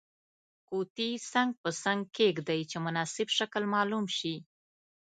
قطي څنګ په څنګ کیږدئ چې مناسب شکل معلوم شي.